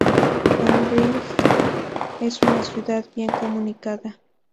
Cambrils es una ciudad bien comunicada.